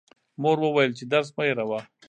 مور وویل چې درس مه هېروه.